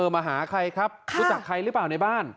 มาหาใครครับรู้จักใครหรือเปล่าในบ้าน